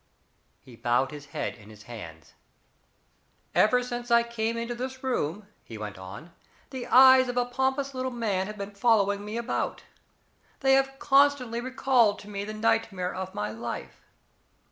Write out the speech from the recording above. He bowed his head in his hands. "Ever since I came into this room," he went on, "the eyes of a pompous little man have been following me about. They have constantly recalled to me the nightmare of my life.